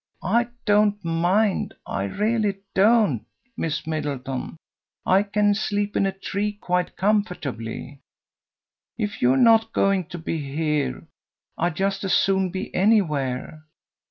I don't mind, I really don't, Miss Middleton, I can sleep in a tree quite comfortably. If you're not going to be here, I'd just as soon be anywhere.